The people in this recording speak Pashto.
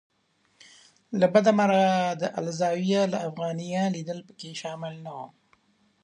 له بده مرغه د الزاویة الافغانیه لیدل په کې شامل نه و.